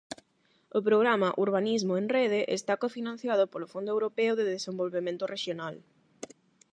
O programa Urbanismo en Rede está cofinanciado polo Fondo Europeo de Desenvolvemento Rexional.